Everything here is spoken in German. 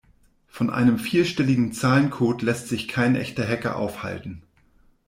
Von einem vierstelligen Zahlencode lässt sich kein echter Hacker aufhalten.